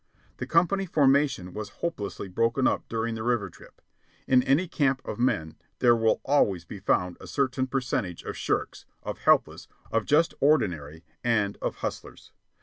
The company formation was hopelessly broken up during the river trip. In any camp of men there will always be found a certain percentage of shirks, of helpless, of just ordinary, and of hustlers.